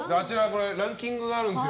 ランキングがあるんですよ